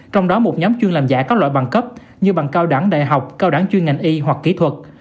trong đó một nhóm chuyên làm giả các loại bằng cấp như bằng cao đẳng đại học cao đẳng chuyên ngành y hoặc kỹ thuật